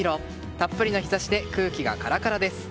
たっぷりの日差しで空気がカラカラです。